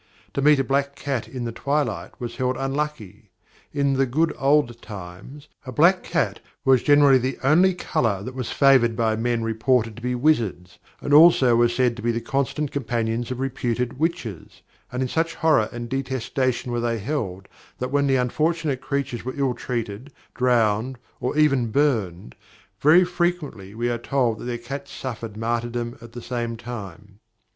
To meet a black cat in the twilight was held unlucky. In the "good old times" a black cat was generally the only colour that was favoured by men reported to be wizards, and also were said to be the constant companions of reputed witches, and in such horror and detestation were they then held that when the unfortunate creatures were ill treated, drowned, or even burned, very frequently we are told that their cats suffered martyrdom at the same time.